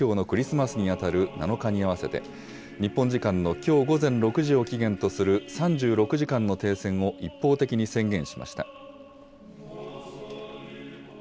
ロシアのプーチン大統領は、ロシア正教のクリスマスに当たる７日に合わせて、日本時間のきょう午前６時を期限とする３６時間の停戦を一方的に宣言しました。